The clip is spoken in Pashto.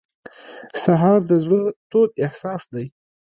سهار د زړه تود احساس دی.